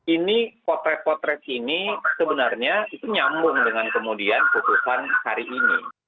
ini potret potret ini sebenarnya itu nyambung dengan kemudian putusan hari ini